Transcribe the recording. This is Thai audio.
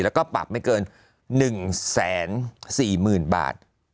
แล้วก็ปรับไม่เกิน๑๔๐๐๐บาท